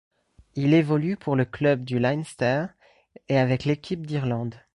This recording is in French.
Il évolue pour le club du Leinster et avec l'équipe d'Irlande.